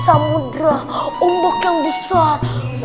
samudera ombok yang besar